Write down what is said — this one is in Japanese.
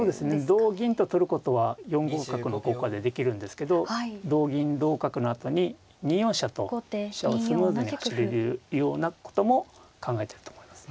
同銀と取ることは４五角の効果でできるんですけど同銀同角のあとに２四飛車と飛車をスムーズに走れるようなことも考えてると思います。